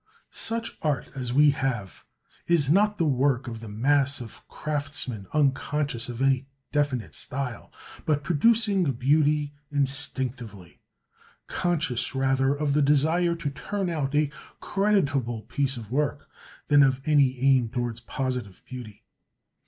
Such art as we have is not the work of the mass of craftsmen unconscious of any definite style, but producing beauty instinctively; conscious rather of the desire to turn out a creditable piece of work than of any aim towards positive beauty.